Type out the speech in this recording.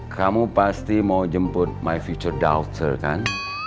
kamu pasti mau jemput my future doctor kan